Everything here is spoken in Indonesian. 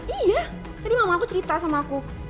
iya tadi mama aku cerita sama aku